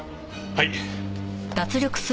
はい！